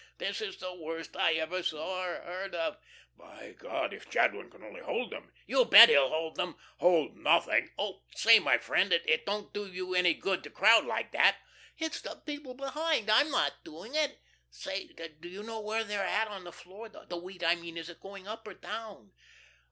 "This is the worst I ever saw or heard of." "My God! if Jadwin can only hold 'em. "You bet he'll hold 'em." "Hold nothing! Oh! say my friend, it don't do you any good to crowd like that." "It's the people behind: I'm not doing it. Say, do you know where they're at on the floor? The wheat, I mean, is it going up or down?"